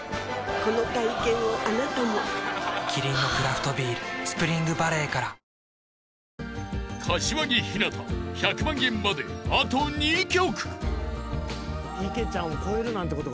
この体験をあなたもキリンのクラフトビール「スプリングバレー」から［柏木ひなた１００万円まであと２曲］